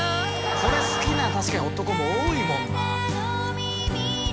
これ好きな男も確かに多いもんな。